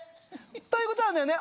という事なんだよね。